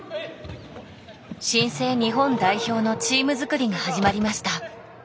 新生日本代表のチーム作りが始まりました。